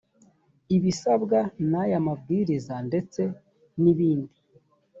ibisabwa naya mabwiriza ndetse n’ibindi